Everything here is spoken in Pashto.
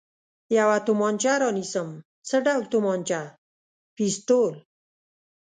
یوه تومانچه را نیسم، څه ډول تومانچه؟ پېسټول.